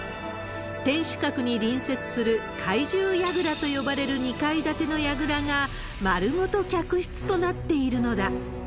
天守閣に隣接する懐柔櫓と呼ばれる２階建てのやぐらが、丸ごと客室となっているのだ。